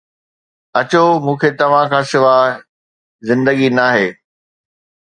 اچو، مون کي توهان کان سواء زندگي ناهي.